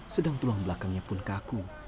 sedang tulang belakangnya pun kaku